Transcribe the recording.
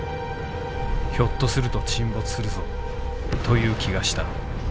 ひょっとすると沈没するぞという気がした。